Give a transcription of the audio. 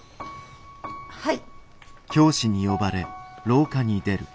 はい。